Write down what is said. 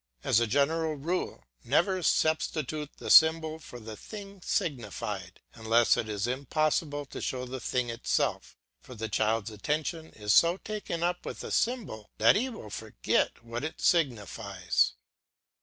As a general rule never substitute the symbol for the thing signified, unless it is impossible to show the thing itself; for the child's attention is so taken up with the symbol that he will forget what it signifies.